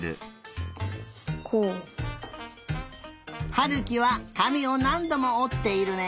悠貴はかみをなんどもおっているね。